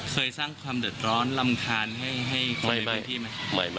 เขาสร้างความดันดอลร่ำทานของในพื้นที่มั้ย